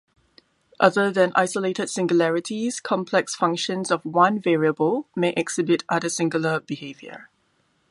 Other than isolated singularities, complex functions of one variable may exhibit other singular behaviour.